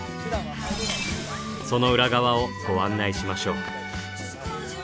その裏側をご案内しましょう。